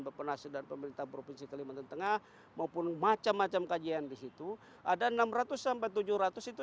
bepenas dan pemerintah provinsi kelimantan tengah maupun macam macam kajian di situ ada enam ratus tujuh ratus itu